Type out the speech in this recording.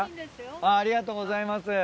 ありがとうございます。